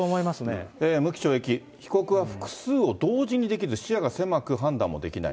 無期懲役、被告は複数を同時にできず視野が狭く、判断もできない。